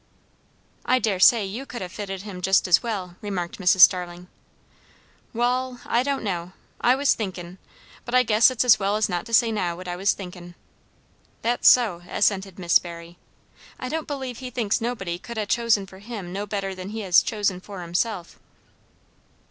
"I daresay you could have fitted him just as well," remarked Mrs. Starling. "Wall, I don't know. I was thinkin', but I guess it's as well not to say now what I was thinkin'." "That's so!" assented Miss Barry. "I don't believe he thinks nobody could ha' chosen for him no better than he has chosen for himself."